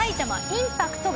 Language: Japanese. インパクト？